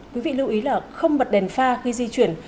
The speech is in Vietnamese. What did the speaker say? quý vị lưu ý là không bật đèn pha khi di chuyển